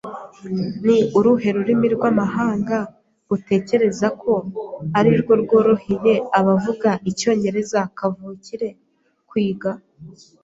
Ni uruhe rurimi rw'amahanga utekereza ko arirwo rworoheye abavuga Icyongereza kavukire kwiga?